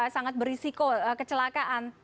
sangat berisiko kecelakaan